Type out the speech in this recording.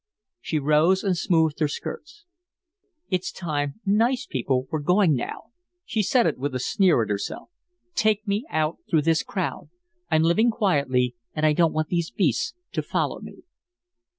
She rose and smoothed her skirts. "It's time nice people were going now." She said it with a sneer at herself. "Take me out through this crowd. I'm living quietly and I don't want these beasts to follow me."